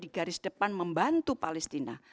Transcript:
di garis depan membantu palestina